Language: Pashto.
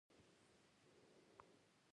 ژبه د ماشوم د تربیې بنسټ دی